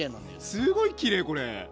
すごいきれいこれ。